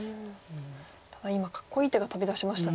ただ今かっこいい手が飛び出しましたね。